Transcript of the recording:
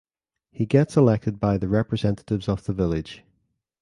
He gets elected by the representatives of the village.